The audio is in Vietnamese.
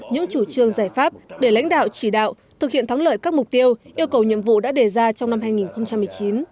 những chủ trương giải pháp để lãnh đạo chỉ đạo thực hiện thắng lợi các mục tiêu yêu cầu nhiệm vụ đã đề ra trong năm hai nghìn một mươi chín